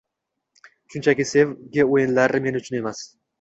Shunchaki sevgi o`yinlari men uchun emas